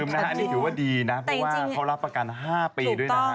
มันจิแต่อังคารจิวว่าดีนะเพราะว่าเขารับประกัน๕ปีด้วยนะคะ